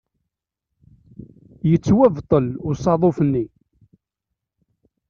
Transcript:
Yettwabṭel usaḍuf-nni.